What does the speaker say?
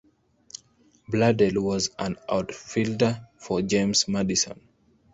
Bladel was an outfielder for James Madison.